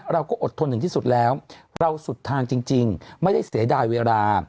เราก็อดทนถึงที่สุดแล้วเราสุดทางจริงไม่ได้เสียดายเวลา